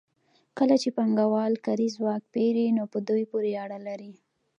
کله چې پانګوال کاري ځواک پېري نو په دوی پورې اړه لري